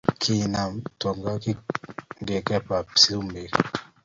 Kinam tyong'ik ngwekab sukumek